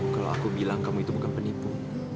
kalau aku bilang kamu itu bukan penipu